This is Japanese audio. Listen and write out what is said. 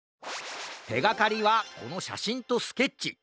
てがかりはこのしゃしんとスケッチ。